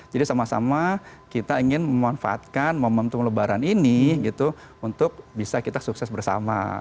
jadi sama sama kita ingin memanfaatkan momentum lebaran ini untuk bisa kita sukses bersama